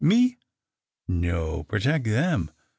" Me ? No ; protect them.